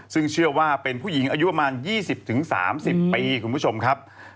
ซึ่งเชื่อว่าเป็นผู้หญิงอายุประมาณ๒๐๓๐ปีคุณผู้ชมครับ